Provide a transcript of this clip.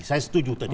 saya setuju tadi